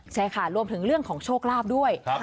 ใช่ค่ะรวมถึงเรื่องของโชคลาภด้วย